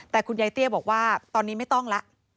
แต่คุณยายเตี้ยบอกว่าตอนนี้ไม่ต้องแล้ว